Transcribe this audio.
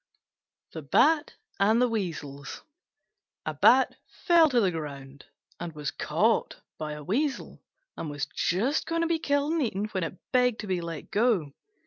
THE BAT AND THE WEASELS A Bat fell to the ground and was caught by a Weasel, and was just going to be killed and eaten when it begged to be let go.